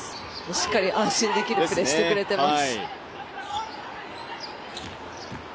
しっかり、安心できるプレーしてくれています。